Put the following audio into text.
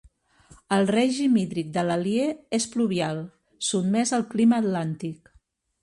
El règim hídric de l'Alier és pluvial, sotmès al clima atlàntic.